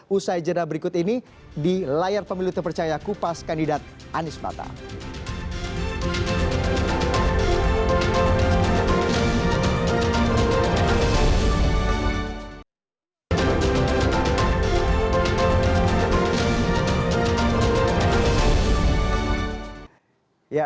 usai jera berikut ini di layar pemilu terpercaya kupas kandidat anies mata